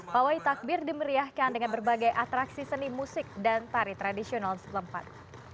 pawai takbir dimeriahkan dengan berbagai atraksi seni musik dan tari tradisional selempat